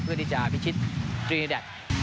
เพื่อที่จะพิชิตกรีแดด